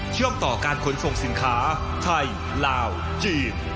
เชื่อมต่อการขนส่งสินค้าไทยลาวจีบ